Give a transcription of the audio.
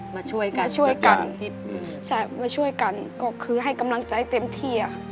มาช่วยกันช่วยกันมาช่วยกันก็คือให้กำลังใจเต็มที่ค่ะ